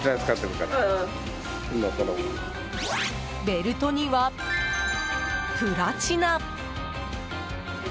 ベルトにはプラチナ！